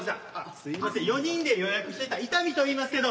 すみません４人で予約してた伊丹といいますけど。